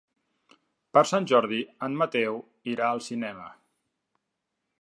Per Sant Jordi en Mateu irà al cinema.